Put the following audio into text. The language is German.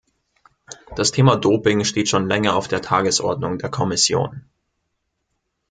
Das Thema Doping steht schon länger auf der Tagesordnung der Kommission.